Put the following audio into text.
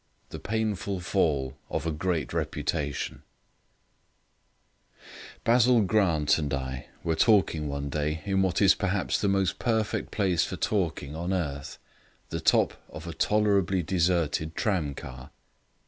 The Painful Fall of a Great Reputation Basil Grant and I were talking one day in what is perhaps the most perfect place for talking on earth the top of a tolerably deserted tramcar.